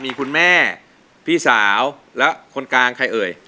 มีคุณแม่พี่สาวและคนกลางใครเอ่ย